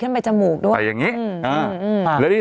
ใส่อย่างนี้